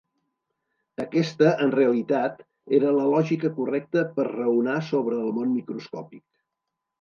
Aquesta, en realitat, era la lògica correcta per raonar sobre el món microscòpic.